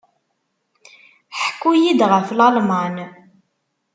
Ḥku-iyi-d ɣef Lalman.